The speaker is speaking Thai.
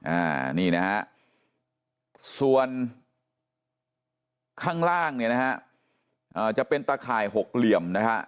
อ่านี่นะฮะส่วนข้างล่างเนี่ยนะฮะอ่าจะเป็นตะข่ายหกเหลี่ยมนะฮะ